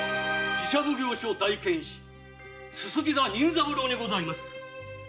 寺社奉行所大検使薄田任三郎にございます。